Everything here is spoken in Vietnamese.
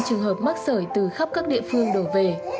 trường hợp mắc sởi từ khắp các địa phương đổ về